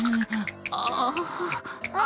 ああ。